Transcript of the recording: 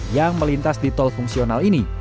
yang melintas di tol fungsional ini